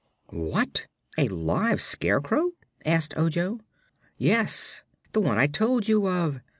"What, a live Scarecrow?" asked Ojo. "Yes; the one I told you of.